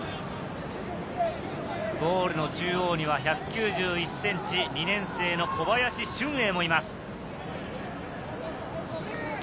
ゴールの中央には１９１ｃｍ、２年生の小林俊瑛もいます。